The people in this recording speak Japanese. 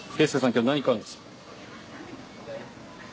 今日何買うんですか？